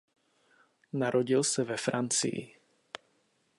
Narodil se ve Francii.